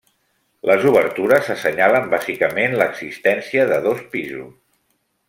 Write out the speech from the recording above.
Les obertures assenyalen bàsicament l'existència de dos pisos.